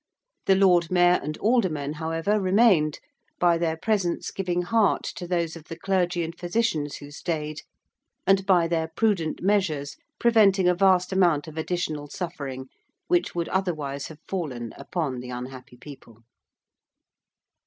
The Lord Mayor and Aldermen, however, remained, by their presence giving heart to those of the clergy and physicians who stayed, and by their prudent measures preventing a vast amount of additional suffering which would otherwise have fallen upon the unhappy people.